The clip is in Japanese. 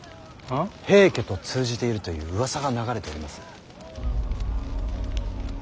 平家と通じているといううわさが流れております。